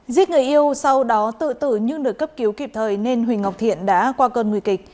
giết người yêu sau đó tự tử nhưng được cấp cứu kịp thời nên huỳnh ngọc thiện đã qua cơn nguy kịch